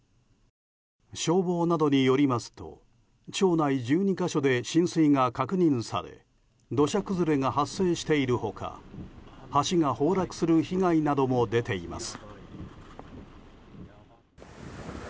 消防などによりますと町内１２か所で浸水が確認され土砂崩れが発生している他橋が崩落する被害なども出ています。